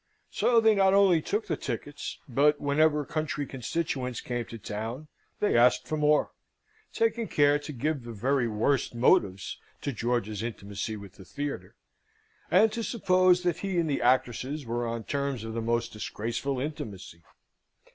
So they not only took the tickets, but whenever country constituents came to town they asked for more, taking care to give the very worst motives to George's intimacy with the theatre, and to suppose that he and the actresses were on terms of the most disgraceful intimacy.